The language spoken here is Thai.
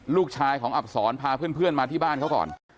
ลูกชายของอับศรพาเพื่อนมาที่บ้านเขาก่อน